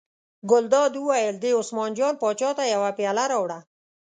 ګلداد وویل: دې عثمان جان پاچا ته یوه پیاله راوړه.